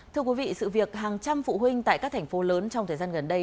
thưa quý vị sự việc hàng trăm phụ huynh tại các thành phố lớn trong thời gian gần đây